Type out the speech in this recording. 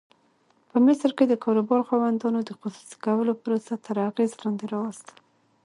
په مصر کې د کاروبار خاوندانو د خصوصي کولو پروسه تر اغېز لاندې راوسته.